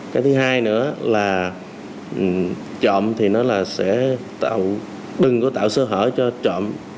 cái thứ hai nữa là trộm thì nó là sẽ tạo đừng có tạo sơ hở cho trộm